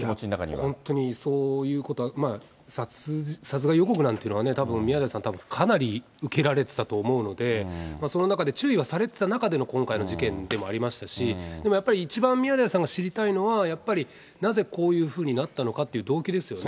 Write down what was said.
本当にそういうことは、殺害予告なんていうのはね、たぶん宮台さん、たぶん、かなり受けられていたと思うので、その中で注意はされてた中での今回の事件でもありましたし、でもやっぱり一番宮台さんが知りたいのは、やっぱりなぜこういうふうになったのかっていう動機ですよね。